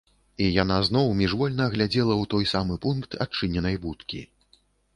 І яна зноў міжвольна глядзела ў той самы пункт адчыненай будкі.